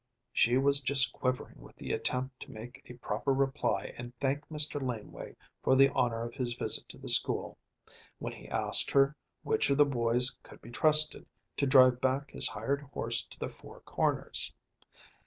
She was just quivering with the attempt to make a proper reply and thank Mr. Laneway for the honor of his visit to the school, when he asked her which of the boys could be trusted to drive back his hired horse to the Four Corners.